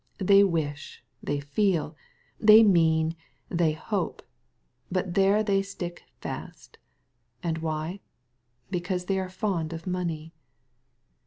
They wish. They feel. They mean. They hope. But there they stick fast 1 And why ? Because they are fond of money.